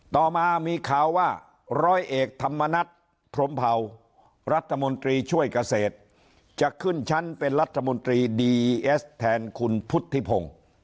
ต่อมามีข่าวว่าร้อยเอกธรรมนัฐพรมเผารัฐมนตรีช่วยเกษตรจะขึ้นชั้นเป็นรัฐมนตรีดีเอสแทนคุณพุทธิพงศ์